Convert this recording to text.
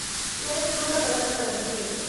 Yo no tengo otra palabra para decirlo".